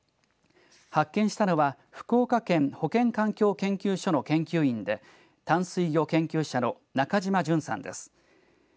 発見したのは福岡県保健環境研究所の研究員で淡水魚研究者の中島淳さんです。